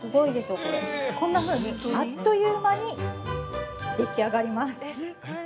こんな風にあっという間にでき上がります。